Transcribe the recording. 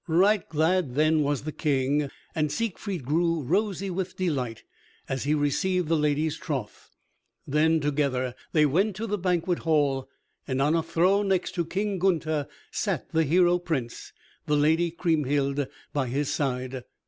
Right glad then was the King, and Siegfried grew rosy with delight as he received the lady's troth. Then together they went to the banquet hall, and on a throne next to King Gunther sat the hero prince, the lady Kriemhild by his side.